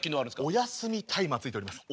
お休みタイマーついております。